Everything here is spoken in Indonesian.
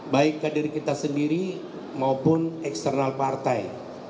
baik dari kita sendiri maupun eksternal partai